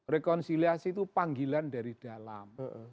rekonsiliasi itu panggilan dari dalam